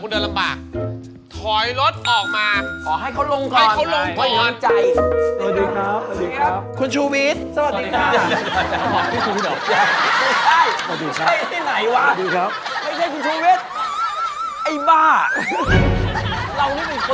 คุณเติร์ยคุณเดินลำบาก